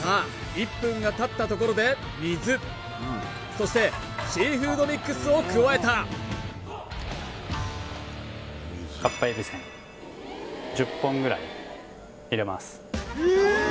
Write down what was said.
１分がたったところで水そしてシーフードミックスを加えた１０本ぐらい入れます